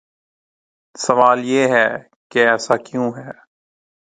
سوال یہ ہے کہ ایسا کیوں ہے؟